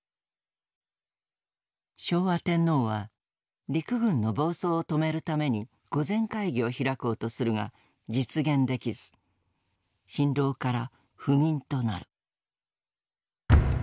昭和天皇は陸軍の暴走を止めるために御前会議を開こうとするが実現できず心労から「不眠」となる。